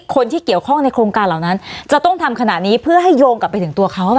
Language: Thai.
คนที่เกี่ยวข้องในโครงการเหล่านั้นจะต้องทำขนาดนี้เพื่อให้โยงกลับไปถึงตัวเขาหรือเปล่า